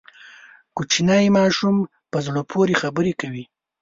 کوچنی ماشوم په زړه پورې خبرې کوي.